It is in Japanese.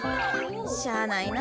しゃあないな。